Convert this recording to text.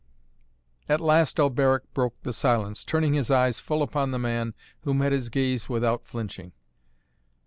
At last Alberic broke the silence, turning his eyes full upon the man who met his gaze without flinching.